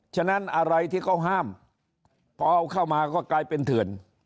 ฉะนั้นอะไรที่เขาห้ามพอเอาเข้ามาก็กลายเป็นเถื่อน